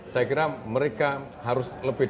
saya kira mereka harus lebih